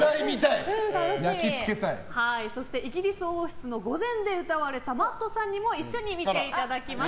そしてイギリス王室の御前で歌われたＭａｔｔさんにも一緒に見ていただきます。